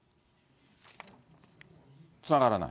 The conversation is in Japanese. つながらない？